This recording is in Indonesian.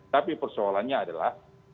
tapi persoalannya adalah